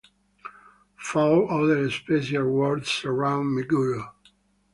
Four other special wards surround Meguro.